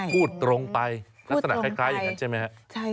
พูดตรงไปลักษณะคล้ายอย่างนั้นใช่ไหมครับ